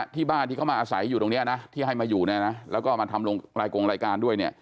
ที่บ้านที่เขามาอาศัยอยู่ตรงนี้นะที่ให้มาอยู่เนี่ยนะแล้วก็มาทำรายกงรายการด้วยเนี่ย